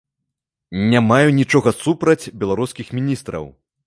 Не маю нічога супраць беларускіх міністраў.